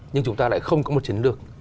nhưng chúng ta lại không có một chiến lược